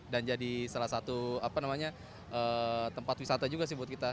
dan jadi salah satu tempat wisata juga sih buat kita